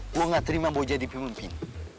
gue gak terima mau jadi pemimpin